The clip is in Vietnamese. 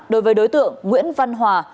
đối với đối tượng nguyễn văn hòa